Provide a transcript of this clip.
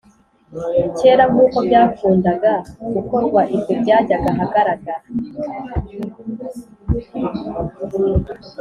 kera nk uko byakundaga gukorwa Ibyo byajyaga ahagaragara